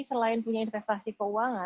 selain punya investasi keuangan